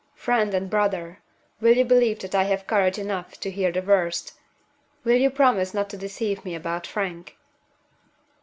Friend and brother! will you believe that I have courage enough to hear the worst? Will you promise not to deceive me about Frank?"